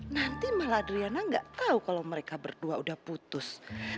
nanti malah adriana nggak tahu kalau mereka berdua udah putus